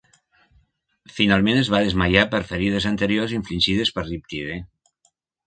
Finalment es va desmaiar per ferides anteriors infligides per Riptide.